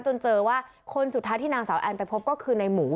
จนเจอว่าคนสุทัศน์ที่นางสาวแอลล์ไปพบก็คือนายหมู